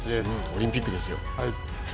オリンピックですよ。